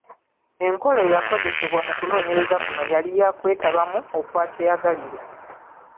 Enkola eyakozesebwa mu kunoonyereza kuno yali yakwetabamu okwa kyeyagalire.